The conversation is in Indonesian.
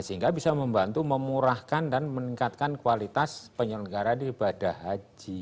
sehingga bisa membantu memurahkan dan meningkatkan kualitas penyelenggaraan ibadah haji